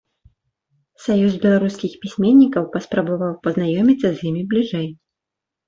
Саюз беларускіх пісьменнікаў паспрабаваў пазнаёміцца з імі бліжэй.